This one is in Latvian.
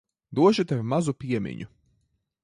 Došu tev mazu piemiņu.